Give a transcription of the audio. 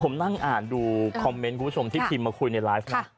ผมนั่งอ่านดูคอมเมนต์ที่ผิมมาคุยในลายฟนะ